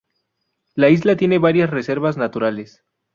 La isla tiene varias reservas naturales.